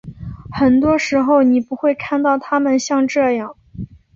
很多时候你不会看到他们像这样。